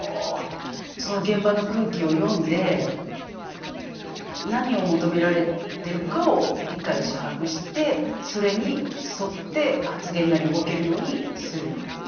その現場の空気を読んで何を求められてるかを理解し把握してそれに沿って発言なり動けるようにする。